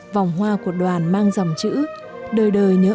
vòng hoa của đoàn mang dòng chữ